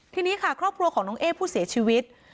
ทีนี้ค่ะครอบครัวของน้องเอ๊ผู้เสียชีวิต